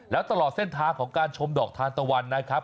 แล้วตลอดเส้นทางของการชมดอกทานตะวันนะครับ